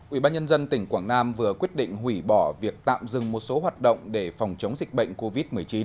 ubnd tỉnh quảng nam vừa quyết định hủy bỏ việc tạm dừng một số hoạt động để phòng chống dịch bệnh covid một mươi chín